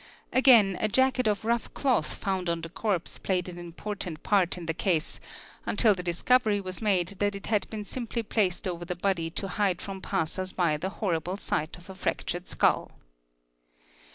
Again a jacket of rough cloth found on the corpse playe an important part in the case until the discovery was made that it ha been simply placed over the body to hide from passers by the horrible) sight of a fractured skull.